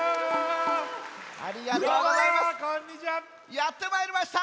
やってまいりました